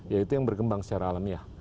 ya itu yang berkembang secara alamiah